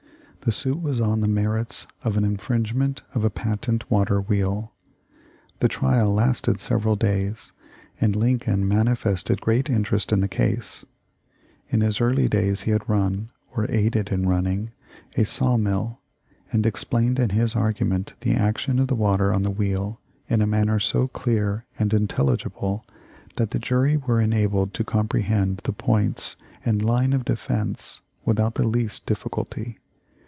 The suit was on the merits of an infringement of a patent water wheel. The trial lasted several days and Lincoln mani fested great interest in the case. In his earlier days he had run, or aided in running, a saw mill, and ex plained in his argument the action of trie water on the wheel in a manner so clear and intelligible that the jury were enabled to comprehend the points and line of defence without the least difficulty.